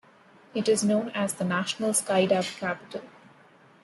It is known as the "National Skydive Capital".